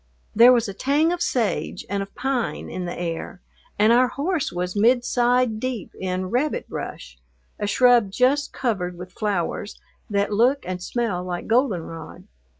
There was a tang of sage and of pine in the air, and our horse was midside deep in rabbit brush, a shrub just covered with flowers that look and smell like goldenrod.